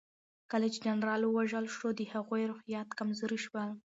کله چې جنرال ووژل شو د هغوی روحيات کمزوري شول.